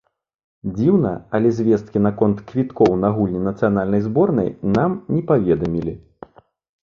Дзіўна, але звесткі наконт квіткоў на гульні нацыянальнай зборнай нам не паведамілі.